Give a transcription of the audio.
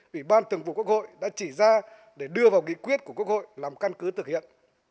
ủy ban thường vụ quốc hội đã chỉ ra để đưa vào nghị quyết của quốc hội làm căn cứ thực hiện